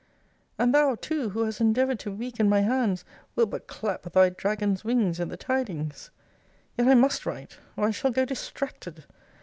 And thou, too, who hast endeavoured to weaken my hands, wilt but clap thy dragon's wings at the tidings! Yet I must write, or I shall go distracted!